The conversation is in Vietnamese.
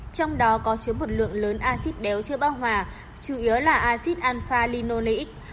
trong đó có chứa một lượng lớn acid đéo chưa bao hòa chủ yếu là acid alpha linolenic